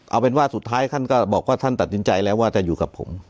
เอาเป็นว่าสุดท้ายท่านก็บอกว่าท่านตัดสินใจแล้วว่าจะอยู่กับผม